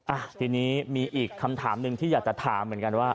อ่ะทีนี้มีอีกคำถามหนึ่งที่อยากจะถามเหมือนกันว่า